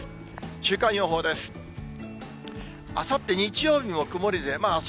週間予報です。